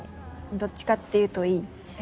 どっちかって言うといい。